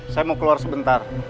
saya mau keluar sebentar